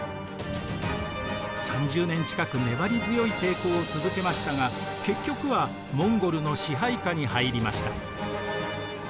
３０年近く粘り強い抵抗を続けましたが結局はモンゴルの支配下に入りました。